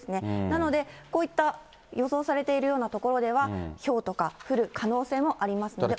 なのでこういった予想されているような所では、ひょうとか降る可能性もありますので。